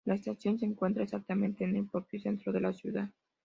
La estación se encuentra exactamente en el propio centro de la ciudad.